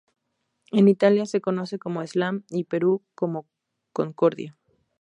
En Italia se conoce como Slam y en Perú como Concordia.